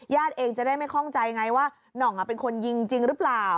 เองจะได้ไม่คล่องใจไงว่าหน่องเป็นคนยิงจริงหรือเปล่า